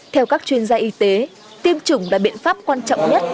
theo các chuyên gia y tế tiêm chủng là biện pháp quan trọng nhất